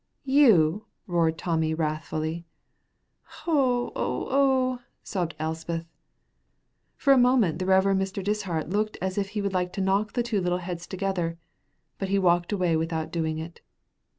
"You!" roared Tommy, wrathfully. "Oh, oh, oh!" sobbed Elspeth. For a moment the Rev. Mr. Dishart looked as if he would like to knock two little heads together, but he walked away without doing it.